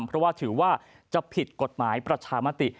เพราะว่าถือว่าจะผิดกฎหมายประชามติ